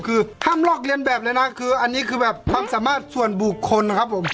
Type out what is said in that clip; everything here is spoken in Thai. คือห้ามลอกเรียนแบบเลยนะคืออันนี้คือแบบความสามารถส่วนบุคคลนะครับผม